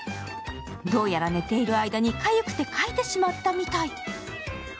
どうやら、寝ている間にかゆくてかいてしまったみたい。